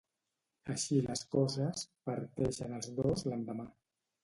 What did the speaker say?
Així les coses, parteixen els dos l'endemà.